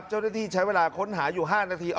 เจ้าหน้าที่ใช้เวลาค้นหาอยู่๕นาที